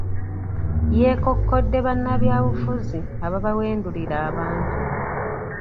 Yeekokkodde bannabyabufuzi ababawendulira abantu.